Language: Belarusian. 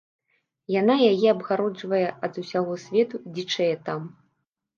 Яна яе абгароджвае ад усяго свету і дзічэе там.